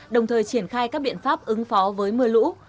đồng thời triển khai các biện pháp ứng phó với mưa lũ